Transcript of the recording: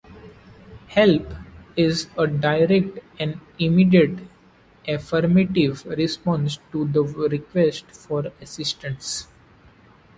"Help" is a direct and immediate affirmative response to the request for assistance.